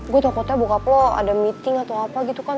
gue tau koknya bokap lo ada meeting atau apa gitu kan